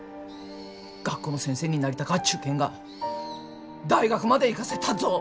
学校の先生になりたかっち言うけんが大学まで行かせたっぞ。